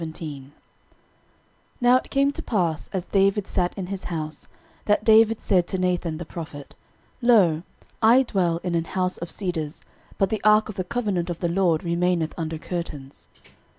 13:017:001 Now it came to pass, as David sat in his house, that David said to Nathan the prophet, Lo, I dwell in an house of cedars, but the ark of the covenant of the LORD remaineth under curtains.